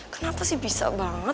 kenapa sih bisa banget